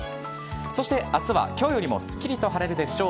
そしてあすはきょうよりもすっきりと晴れるでしょう。